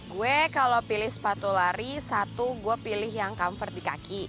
gue kalau pilih sepatu lari satu gue pilih yang comfort di kaki